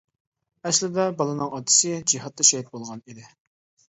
ئەسلىدە بالىنىڭ ئاتىسى جىھادتا شېھىت بولغان ئىدى.